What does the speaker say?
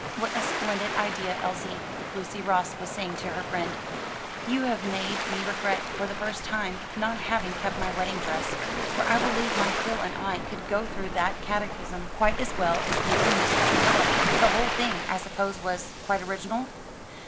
"What a splendid idea, Elsie," Lucy Ross was saying to her friend, "you have made me regret, for the first time, not having kept my wedding dress; for I believe my Phil and I could go through that catechism quite as well as you and Mr. Travilla. The whole thing, I suppose, was quite original?"